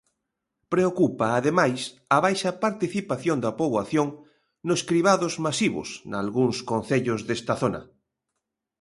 Preocupa ademais a baixa participación da poboación nos cribados masivos nalgúns concellos desta zona.